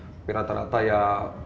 tapi rata rata ya proyek besar